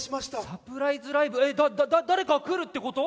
サプライズライブえっだだ誰か来るってこと！？